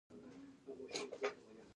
د وېښتیانو سرې ګوتې پرېکول مهم دي.